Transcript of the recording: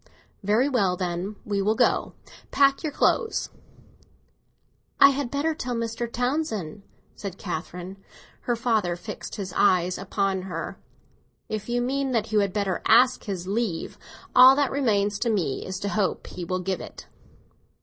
"Very well, then, we will go. Pack up your clothes." "I had better tell Mr. Townsend," said Catherine. Her father fixed his cold eyes upon her. "If you mean that you had better ask his leave, all that remains to me is to hope he will give it."